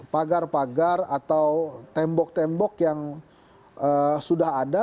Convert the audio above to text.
pagar pagar atau tembok tembok yang sudah ada